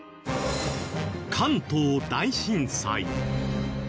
関東大震災。